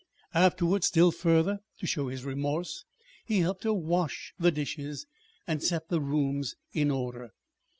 Afterwards still further to show his remorse, he helped her wash the dishes and set the rooms in order.